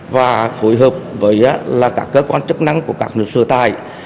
và phối hợp với các cơ quan chức năng của các người sửa tài